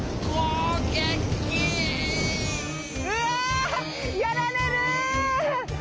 うわやられる。